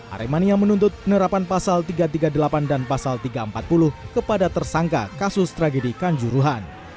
aremania menuntut penerapan pasal tiga ratus tiga puluh delapan dan pasal tiga ratus empat puluh kepada tersangka kasus tragedi kanjuruhan